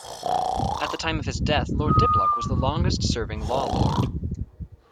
At the time of his death, Lord Diplock was the longest serving Law Lord.